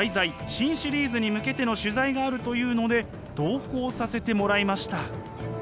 新シリーズに向けての取材があるというので同行させてもらいました。